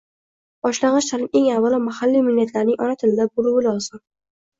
boshlang'ich ta`lim eng avvalo mahalliy millatlarning ona tilida bo'luvi lozim